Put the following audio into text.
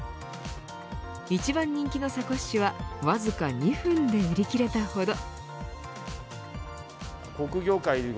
一番人気のサコッシュはわずか２分で売り切れたほど。